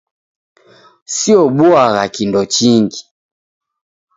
Siobuagha kindo chingi.